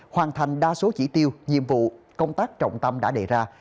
hoàn thành đa số chỉ tiêu nhiệm vụ công tác trọng tâm đã đề ra